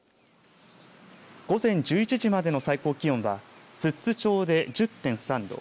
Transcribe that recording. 午前１１時までの最高気温は寿都町で１０．３度